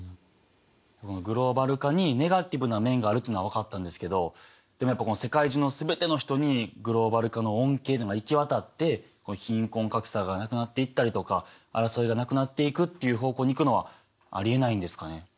グローバル化にネガティブな面があるというのは分かったんですけど世界中の全ての人にグローバル化の恩恵というのが行き渡って貧困格差がなくなっていったりとか争いがなくなっていくっていう方向に行くのはありえないんですかね？